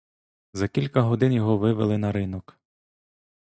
За кілька годин його вивели на ринок.